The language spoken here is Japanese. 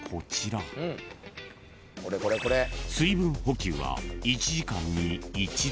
［水分補給は１時間に１度］